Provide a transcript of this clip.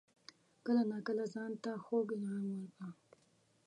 کله ناکله ځان ته خوږ انعام ورکړه.